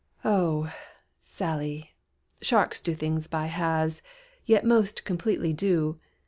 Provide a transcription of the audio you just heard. "Oh! Sally, sharks do things by halves, Yet most completely do!